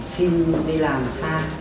xin đi làm xa